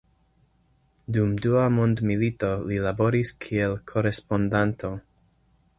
Dum Dua mondmilito li laboris kiel korespondanto.